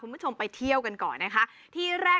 สุดยอดน้ำมันเครื่องจากญี่ปุ่น